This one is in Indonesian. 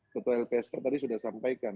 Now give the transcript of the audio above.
ketua lpsk tadi sudah sampaikan